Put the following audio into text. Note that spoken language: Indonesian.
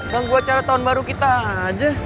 nunggu acara tahun baru kita aja